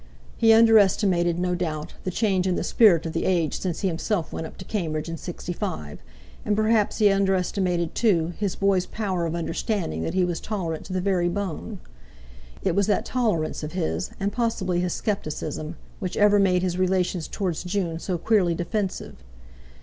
He under estimated, no doubt, the change in the spirit of the age since he himself went up to Cambridge in '65; and perhaps he underestimated, too, his boy's power of understanding that he was tolerant to the very bone. It was that tolerance of his, and possibly his scepticism, which ever made his relations towards June so queerly defensive.